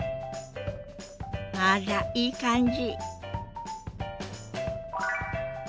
あらいい感じ。